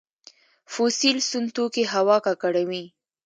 فوسیل سون توکي هوا ککړوي